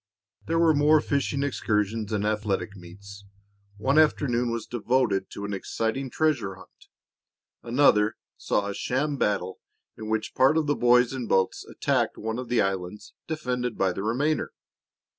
There were more fishing excursions and athletic meets. One afternoon was devoted to an exciting treasure hunt; another saw a sham battle in which part of the boys in boats attacked one of the islands defended by the remainder.